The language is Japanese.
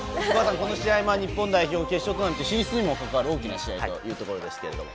この試合、日本代表決勝トーナメント進出にも関わる大きな試合というところですけれども。